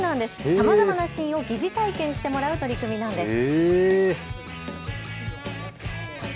さまざまなシーンを疑似体験してもらう取り組みなんです。